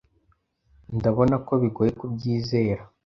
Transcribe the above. Ndabona ko bigoye kubyizera.